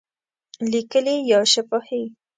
لیکلي یا شفاهی؟